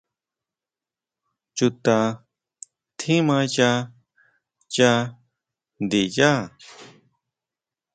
¿Chuta tjimaya ya ndiyá?